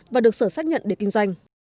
và được sở xác nhận để kinh doanh